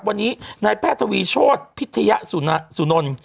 วันนี้นายแพทย์ทวีโชธพิทยสุนนท์